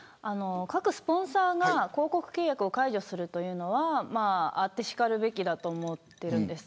各スポンサーが広告契約を解除するのはあってしかるべきだと思ってるんです。